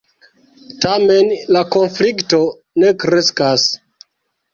Tamen la konflikto ne kreskas.